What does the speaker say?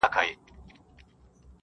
دا خبره ورته محبوب په ژبه نه ده کړې